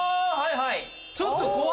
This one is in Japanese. はい。